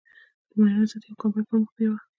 د ماينونو ضد يو کمپاين پر مخ بېوه.